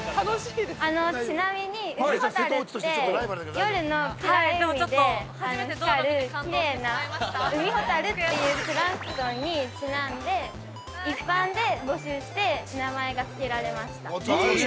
◆ちなみに海ほたるって、夜の暗い海で光るきれいなウミホタルっていうプランクトンにちなんで、一般で募集して名前がつけられました。